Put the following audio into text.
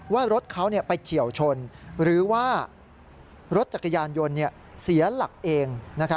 ว่ารถเขาไปเฉียวชนหรือว่ารถจักรยานยนต์เสียหลักเอง